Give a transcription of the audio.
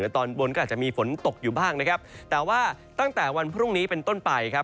ตกอยู่บ้างนะครับแต่ว่าตั้งแต่วันพรุ่งนี้เป็นต้นไปครับ